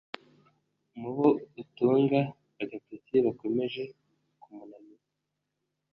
Mu bo atunga agatoki bakomeje kumunaniza